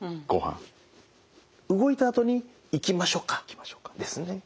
動いたあとに「行きましょうか」ですね。